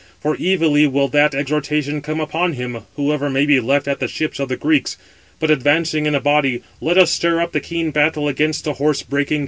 For evilly will that exhortation come upon him, whoever may be left at the ships of the Greeks; but advancing in a body, let us stir up the keen battle against the horse breaking Trojans."